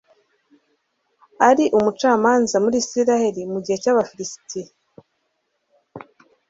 ari umucamanza muri israheli, mu gihe cy'abafilisiti